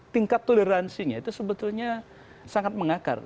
tingkat toleransinya itu sebetulnya sangat mengakar